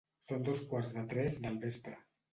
Són dos quarts de tres del vespre